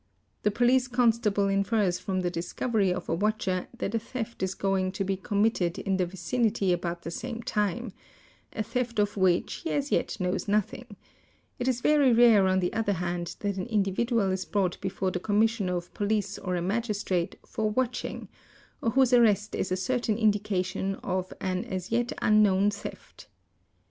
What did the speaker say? The police constable infers from the discovery of a watcher that a theft is going to be com mitted in the vicinity about the same time—a theft of which he as yet | knows nothing; it is very rare on the other hand that an individual is, ACCOMPLICES 689 brought before the Commissioner of Police or a Magistrate for watching, | or whose arrest is a certain indication of an as yet unknown theft.